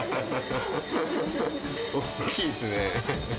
大きいっすね。